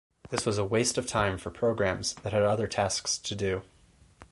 This was a waste of time for programs that had other tasks to do.